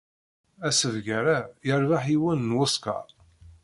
Asebgar-a yerbeḥ yiwen n wuskaṛ.